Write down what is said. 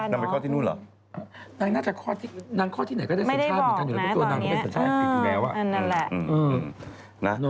นั่นแหละ